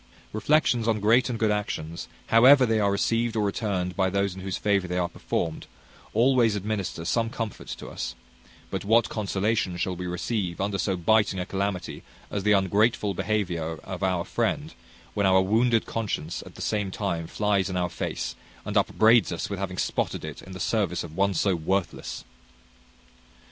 Reflections on great and good actions, however they are received or returned by those in whose favour they are performed, always administer some comfort to us; but what consolation shall we receive under so biting a calamity as the ungrateful behaviour of our friend, when our wounded conscience at the same time flies in our face, and upbraids us with having spotted it in the service of one so worthless!